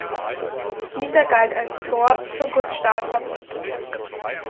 Dieser galt als Tor zur Gussstahlfabrik.